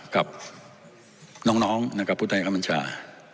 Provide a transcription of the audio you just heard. กับน้องนะครับผู้ใจกรรมชา